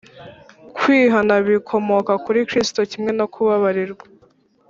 ”. Kwihana bikomoka kuri Kristo kimwe no kubabarirwa.